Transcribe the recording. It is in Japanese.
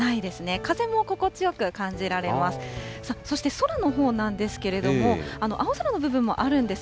風も心地よく感じられます。